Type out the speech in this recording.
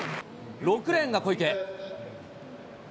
６レーンが小池。